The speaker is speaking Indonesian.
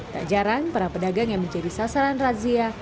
tak jarang para pedagang yang menjadi sasaran razia